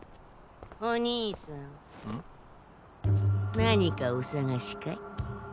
何かお探しかい？